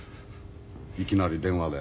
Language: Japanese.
いきなり電話で。